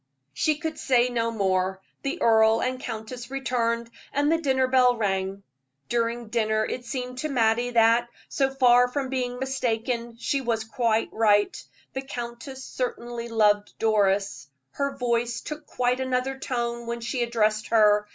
She could say no more; the earl and countess returned, and the dinner bell rang. During dinner it seemed to Mattie that, so far from being mistaken, she was quite right the countess certainly loved Doris; her voice took quite another tone when she addressed her.